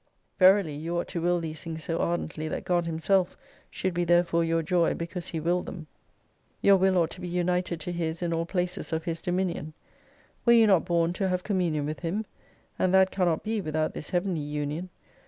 Verily you ought to will these things so ai'dently that God Himself should be therefore your joy because He willed them. Your will ought to be united to His in all places of His dominion. Were you not bom to have communion with Him ? And that cannot be without this heavenly union.